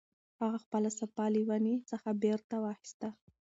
هغه خپله صافه له ونې څخه بېرته واخیسته.